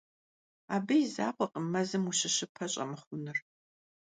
Абы и закъуэкъым мэзым ущыщыпэ щӀэмыхъунур.